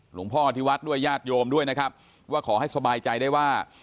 หลวงพ่อที่วัดด้วยญาติโยมด้วยนะครับว่าขอให้สบายใจได้ว่า